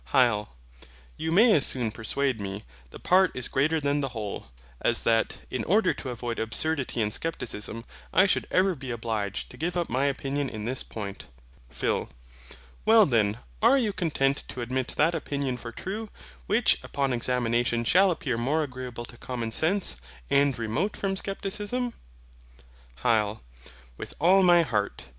HYL. You may as soon persuade me, the part is greater than the whole, as that, in order to avoid absurdity and Scepticism, I should ever be obliged to give up my opinion in this point. PHIL. Well then, are you content to admit that opinion for true, which upon examination shall appear most agreeable to Common Sense, and remote from Scepticism? HYL. With all my heart.